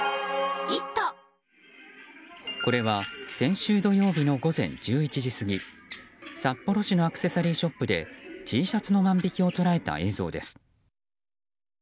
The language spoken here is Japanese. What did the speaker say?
これは先週土曜日の午前１１時過ぎ札幌市のアクセサリーショップでＴシャツの万引きを捉えた映像です。